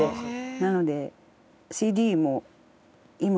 なので。